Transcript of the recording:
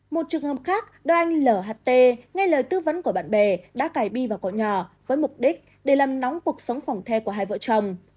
một trường hợp khác đôi anh l h t ngay lời tư vấn của bạn bè đã cài bi vào cậu nhỏ với mục đích để làm nóng cuộc sống phòng the của hai vợ chồng